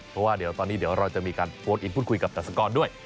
เพราะว่าตอนนี้เราจะเวิลอื่นคุยกับตัสกอนด้วย